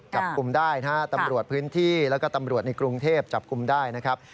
จับกลุ่มได้นะฮะตำรวจพื้นที่แล้วก็ตำรวจในกรุงเทพจับกลุ่มได้นะครับ